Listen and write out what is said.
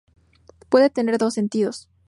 Puede tener dos sentidos.